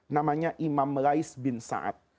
namanya imam lais bin saad